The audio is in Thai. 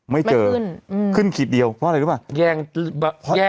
ไม่เจอขึ้นขีดเดียวเพราะอะไรรึเปล่า